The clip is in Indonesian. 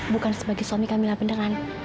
bukan sebagai suami kak mila beneran